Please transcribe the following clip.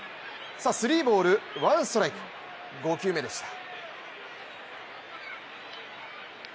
スリーボール・ワンストライク、５球目でした。